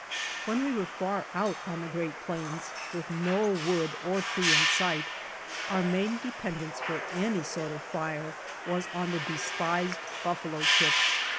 When we were far out on the great plains, with no wood or tree in sight, our main dependance for any sort of fire was on the despised buffalo chips.